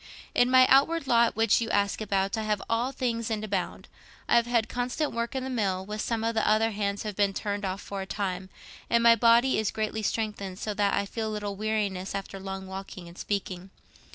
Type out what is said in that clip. "In my outward lot, which you ask about, I have all things and abound. I have had constant work in the mill, though some of the other hands have been turned off for a time, and my body is greatly strengthened, so that I feel little weariness after long walking and speaking.